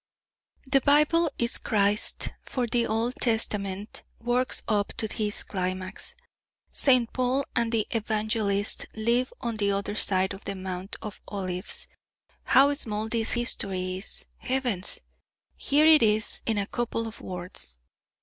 The Bible is Christ, for the Old Testament works up to this climax. St. Paul and the Evangelists live on the other side of the Mount of Olives. How small this history is! Heavens! here it is in a couple of words.